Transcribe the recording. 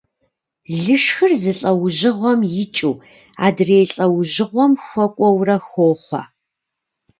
Лышхыр зы лӀэужьыгъуэм икӀыу адрей лӀэужьыгъуэм хуэкӀуэурэ хохъуэ.